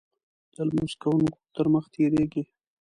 د لمونځ کوونکو تر مخې تېرېږي.